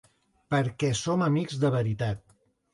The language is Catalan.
Perquè som amics de veritat.